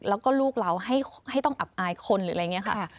แล้วก็ลูกเราให้ต้องอับอายคนหรืออะไรอย่างนี้ค่ะ